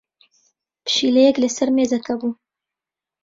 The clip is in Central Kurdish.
پشیلەیەک لەسەر مێزەکە بوو.